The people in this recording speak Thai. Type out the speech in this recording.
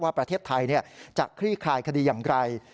ว่าประเทศไทยเนี่ยจะคลี่คายคดีอย่างไกล